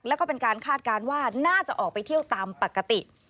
แล้วก็เป็นการคาดการณ์ว่าน่าจะออกไปเที่ยวตามปกติ